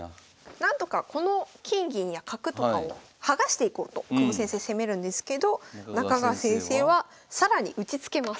なんとかこの金銀や角とかを剥がしていこうと久保先生攻めるんですけど中川先生は更に打ちつけます。